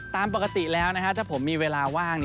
ตามปกติแล้วถ้าผมมีเวลาว่าง